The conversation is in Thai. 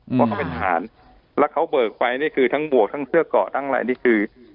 เพราะเขาเป็นทหารแล้วเขาเบิกไปนี่คือทั้งบวกทั้งเสื้อเกาะทั้งอะไรนี่คือ